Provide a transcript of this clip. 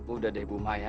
udah deh bu maya